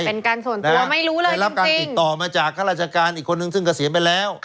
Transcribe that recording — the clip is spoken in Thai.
เป็นการส่วนตัวไม่รู้เลยได้รับการติดต่อมาจากข้าราชการอีกคนนึงซึ่งเกษียณไปแล้ว